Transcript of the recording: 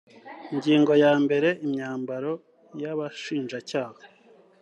ingingo yambere imyambaro y abashinjacyaha